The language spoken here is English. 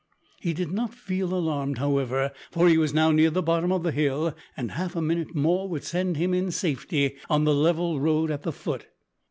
He did not feel alarmed however, for he was now near the bottom of the hill, and half a minute more would send him in safety on the level road at the foot.